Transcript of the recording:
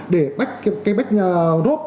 để bách cái bách rốt